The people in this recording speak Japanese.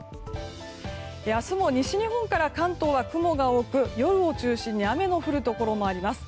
明日も西日本から関東は雲が多く夜を中心に雨の降るところもあります。